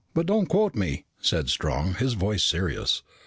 But don't quote me," said Strong, his voice serious.